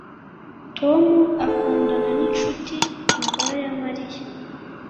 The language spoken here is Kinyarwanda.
Tom akundana ninshuti magara ya Mariya